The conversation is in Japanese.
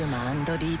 リード。